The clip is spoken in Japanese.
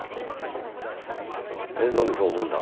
フッえっなんでそう思うんだ？